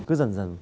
cứ dần dần